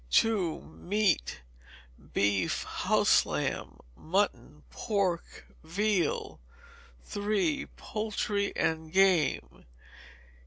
ii. Meat. Beef, house lamb, mutton, pork, veal. iii. Poultry and Game.